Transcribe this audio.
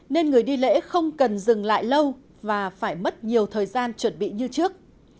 nên người đi lễ không cần dừng lại lâu và phải mất nhiều thời gian chuẩn bị như trước